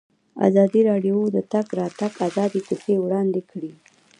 ازادي راډیو د د تګ راتګ ازادي کیسې وړاندې کړي.